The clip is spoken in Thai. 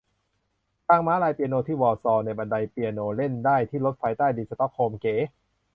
ทางม้าลายเปียโนที่ วอร์ซอว์ และบันไดเปียโน เล่นได้ ที่รถไฟใต้ดินสต็อกโฮล์ม เก๋